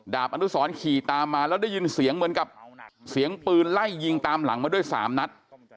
อนุสรขี่ตามมาแล้วได้ยินเสียงเหมือนกับเสียงปืนไล่ยิงตามหลังมาด้วย๓นัด